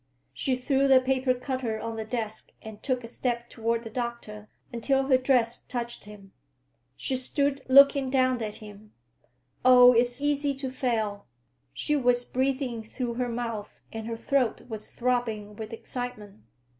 She threw the paper cutter on the desk and took a step toward the doctor, until her dress touched him. She stood looking down at him. "Oh, it's easy to fail!" She was breathing through her mouth and her throat was throbbing with excitement.